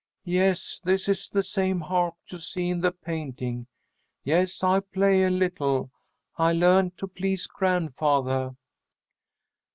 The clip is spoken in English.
"Yes, this is the same harp you see in the painting. Yes, I play a little. I learned to please grandfathah."